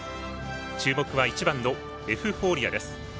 注目は１番のエフフォーリアです。